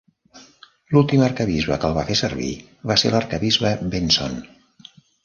L'últim arquebisbe que el va fer servir va ser l'arquebisbe Benson.